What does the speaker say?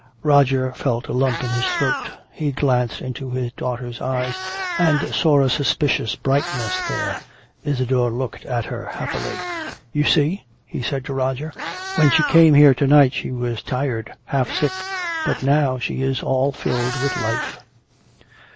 Roger felt a lump in his throat. He glanced into his daughter's eyes and saw a suspicious brightness there. Isadore looked at her happily. "You see?" he said to Roger. "When she came here to night she was tired, half sick. But now she is all filled with life!"